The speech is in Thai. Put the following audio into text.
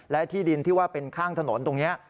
และที่ดินที่ว่าเป็นข้างถนนตรงนี้